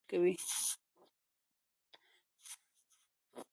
په افغانستان کې غوښې د خلکو د ژوند په کیفیت تاثیر کوي.